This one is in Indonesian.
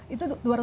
itu dua ratus meter